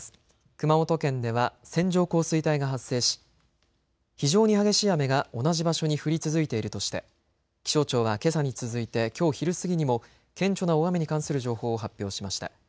熊本県では線状降水帯が発生し非常に激しい雨が同じ場所に降り続いているとして気象庁はけさに続いてきょう昼過ぎにも顕著な大雨に関する情報を発表しました。